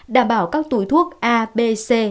đảm bảo các túi thuốc a b c